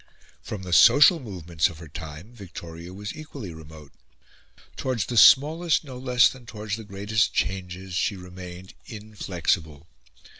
From the social movements of her time Victoria was equally remote. Towards the smallest no less than towards the greatest changes she remained inflexible.